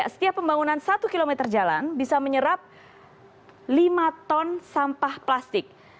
setiap pembangunan satu km jalan bisa menyerap lima ton sampah plastik